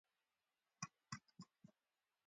جبار خان: ماښام په خیر، خادم هغه ته سوپ راوړ.